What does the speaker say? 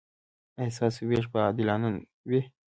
ایا ستاسو ویش به عادلانه وي؟